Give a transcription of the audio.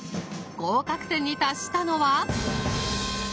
合格点に達したのは。